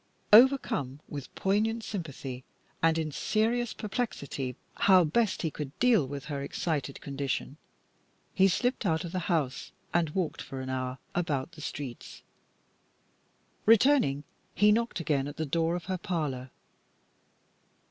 Overcome with poignant sympathy, and in serious perplexity how best he could deal with her excited condition, he slipped out of the house and walked for an hour about the streets. Returning, he knocked again at the door of her parlour.